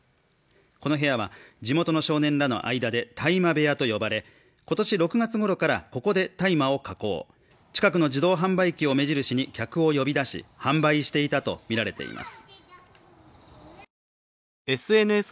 この部屋は地元の少年らの間で大麻部屋と呼ばれ、今年６月ごろからここで大麻を加工、近くの自動販売機を目印に客を呼び出し販売していたとみられています。